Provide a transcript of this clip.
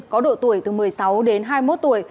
có độ tuổi từ một mươi sáu đến hai mươi một tuổi